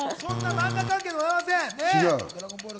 マンガ関係ではございません。